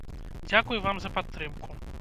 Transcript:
Дзякуй вам за падтрымку!